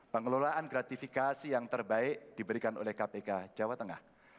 pengelolaan gratifikasi yang terbaik diberikan oleh kpk jawa tengah